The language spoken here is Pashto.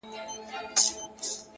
سیاه پوسي ده _ ماسوم یې ژاړي _